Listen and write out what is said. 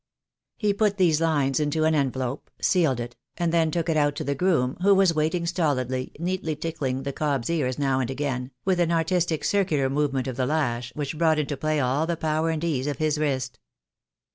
He put these lines into an envelope, sealed it, and then took it out to the groom, who was waiting stolidly, neatly tickling the cob's ears now and again, with an artistic circular movement of the lash, which brought into play all the power and ease of his wrist.